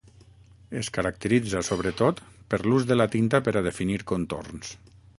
Es caracteritza sobretot per l'ús de la tinta per a definir contorns.